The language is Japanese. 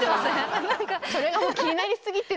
それがもう気になりすぎてですね。